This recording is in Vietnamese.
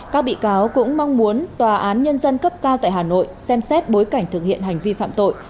các bị cáo cũng mong muốn tòa án nhân dân cấp cao tại hà nội xem xét bối cảnh thực hiện hành vi phạm tội